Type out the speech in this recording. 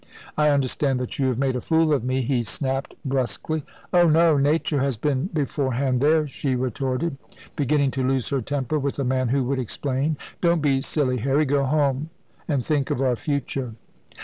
"I understand that you have made a fool of me," he snapped brusquely. "Oh no! Nature has been beforehand there," she retorted, beginning to lose her temper with a man who would explain. "Don't be silly, Harry! Go home, and think of our future."